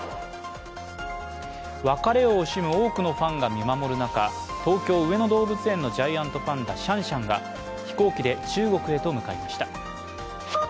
別れを惜しむ多くのファンが見守る中東京・上野動物園のジャイアントパンダ・シャンシャンが飛行機で中国へと向かいました。